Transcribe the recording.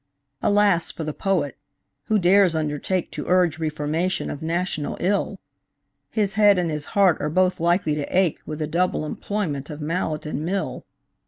Alas for the Poet, who dares undertake To urge reformation of national ill! His head and his heart are both likely to ache With the double employment of mallet and mill.